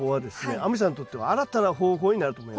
亜美さんにとっては新たな方法になると思います。